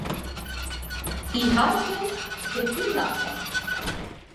Իհարկե դեպի լավը: